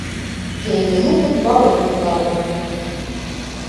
Йәйгеһен беҙ балыҡ тотабыҙ